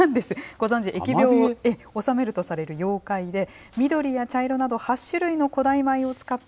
ご存じ、疫病を収めるとされる妖怪で、緑や茶色など８種類の古代